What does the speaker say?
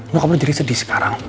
nyokap lu jadi sedih sekarang